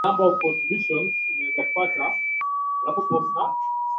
Mali haikutoa ushahidi wowote kuonyesha kuwa Ufaransa ilitoa silaha kwa makundi ya Kiislamu